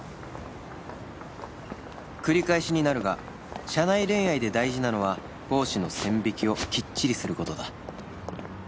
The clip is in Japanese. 繰り返しになるが社内恋愛で大事なのは公私の線引きをきっちりする事だ